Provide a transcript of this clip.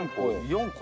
４個？